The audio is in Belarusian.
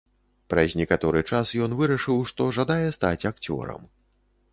Праз некаторы час ён вырашыў, што жадае стаць акцёрам.